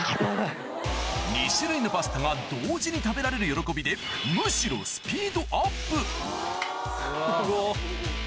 ２種類のパスタが同時に食べられる喜びでむしろ・すごっ・